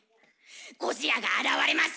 「ゴジラが現れました」。